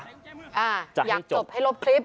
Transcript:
อยากจบให้ลบคลิป